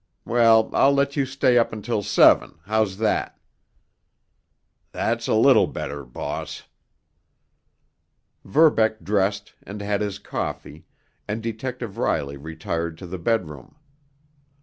Well, I'll let you stay up until seven—how's that?" "That's a little better, boss." Verbeck dressed and had his coffee, and Detective Riley retired to the bedroom.